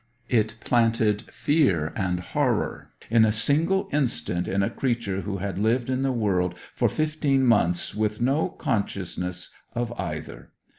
It planted fear and horror in a single instant in a creature who had lived in the world for fifteen months with no consciousness of either.